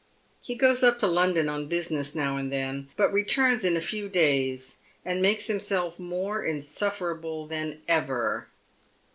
He goes up to London on business now and then, but returns in a few days, and makes himself more insufferable than ever.